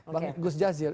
bang gus jazil